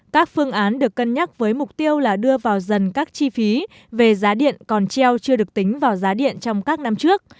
các phương án được cân nhắc với mục tiêu là đưa vào dần các chi phí về giá điện còn treo chưa được tính vào giá điện trong các năm trước